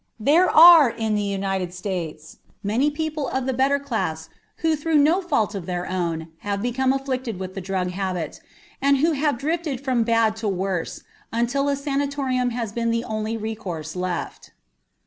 There are in the United States many people of the better class who through no fault of their own have became afflicted with the drug habit, and who have drifted from bad to worse until a sanatorium has been the only recourse left.